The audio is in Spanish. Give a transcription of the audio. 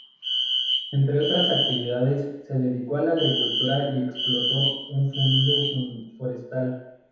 Entre otras actividades se dedicó a la agricultura y explotó un fundo forestal.